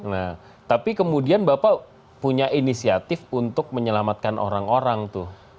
nah tapi kemudian bapak punya inisiatif untuk menyelamatkan orang orang tuh